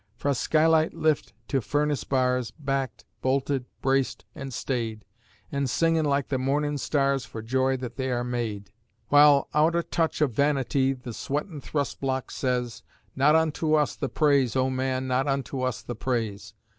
Fra' skylight lift to furnace bars, backed, bolted, braced an' stayed, An' singin' like the Mornin' Stars for joy that they are made; While, out o' touch o' vanity, the sweatin' thrust block says: "Not unto us the praise, oh man, not unto us the praise!"